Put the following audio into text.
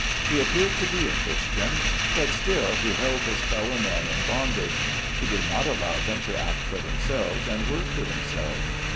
He appeared to be a Christian ; but still, he held his fellow men in bondage ; he did not allow them to act for themselves and work for themselves.